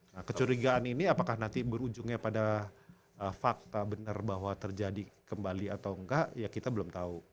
nah kecurigaan ini apakah nanti berujungnya pada fakta benar bahwa terjadi kembali atau enggak ya kita belum tahu